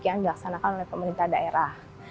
yang dilaksanakan oleh pemerintah daerah